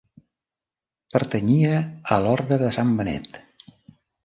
Pertanyia a l'orde de sant Benet.